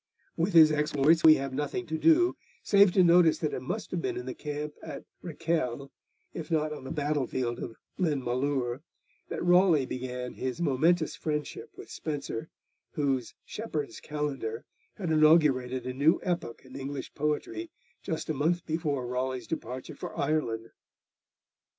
With his exploits we have nothing to do, save to notice that it must have been in the camp at Rakele, if not on the battle field of Glenmalure, that Raleigh began his momentous friendship with Spenser, whose Shepherd's Calender had inaugurated a new epoch in English poetry just a month before Raleigh's departure for Ireland.